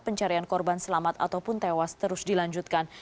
pencarian korban selamat ataupun tewas terus dilanjutkan